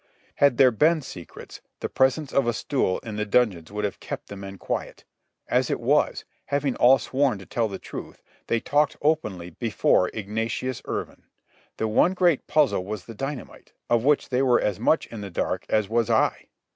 Had there been secrets, the presence of a stool in the dungeons would have kept the men quiet. As it was, having all sworn to tell the truth, they talked openly before Ignatius Irvine. The one great puzzle was the dynamite, of which they were as much in the dark as was I.